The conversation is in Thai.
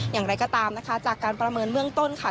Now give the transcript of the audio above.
อย่างไรก็ตามนะคะจากการประเมินเบื้องต้นค่ะ